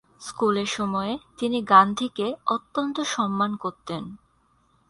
স্কুলের সময়ে তিনি গান্ধীকে অত্যন্ত সম্মান করতেন।